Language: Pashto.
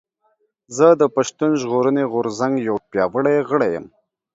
زه د پشتون ژغورنې غورځنګ يو پياوړي غړی یم